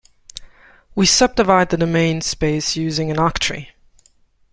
We subdivide the domain space using an octree.